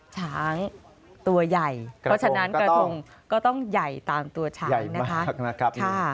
ช้างตัวใหญ่เพราะฉะนั้นกระทงก็ต้องใหญ่ตามตัวช้างนะคะ